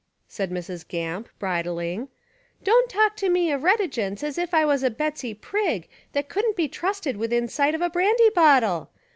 said Mrs. Gamp, bridling, "don't talk to me of retigence as if I was a Betsy Prigg that couldn't be trusted within sight of a brandy bottle.